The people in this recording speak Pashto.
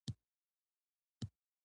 د افغانستان د کلتور ټولي برخي تاریخي دي.